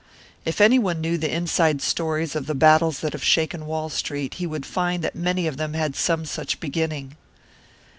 If anyone knew the inside stories of the battles that have shaken Wall Street, he would find that many of them had some such beginning."